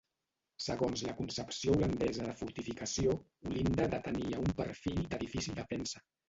Segons la concepció holandesa de fortificació, Olinda detenia un perfil de difícil defensa.